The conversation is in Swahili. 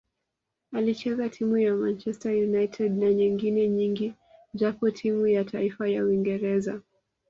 Alicheza timu za Manchester United na nyengine nyingi japo timu ya taifa ya Uingereza